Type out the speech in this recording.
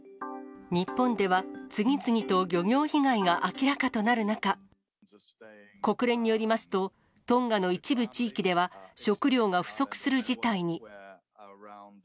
日本では次々と漁業被害が明らかとなる中、国連によりますと、トンガの一部地域では、食料が不足する事態に。